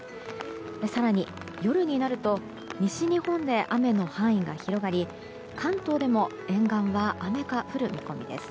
更に夜になると西日本で雨の範囲が広がり関東でも沿岸は雨が降る見込みです。